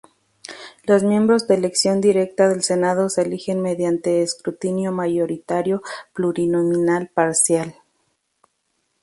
Los miembros de elección directa del Senado se eligen mediante escrutinio mayoritario plurinominal parcial.